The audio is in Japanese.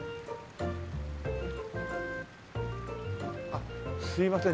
あっすいません